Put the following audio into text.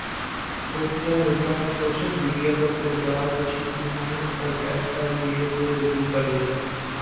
صوفیہ مرزا نے social media پرکردار کشی کی مہم پر ایف ائی اے سے رجوع کر لیا